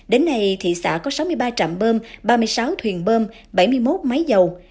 đến nay thị xã có sáu mươi ba trạm bơm ba mươi sáu thuyền bơm bảy mươi một máy dầu